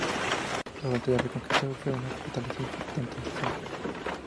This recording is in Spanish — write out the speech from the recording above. Durante la Reconquista fue una fortaleza importante en su zona.